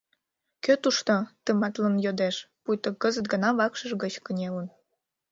— Кӧ тушто? — тыматлын йодеш, пуйто кызыт гына вакшыш гыч кынелын.